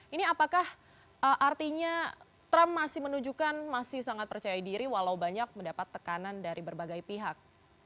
ini apakah artinya trump masih menunjukkan masih sangat percaya diri walau banyak mendapat tekanan dari berbagai pihak